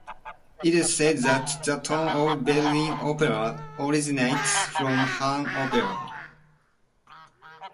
It is said that the tone of Beijing Opera originates from Han Opera.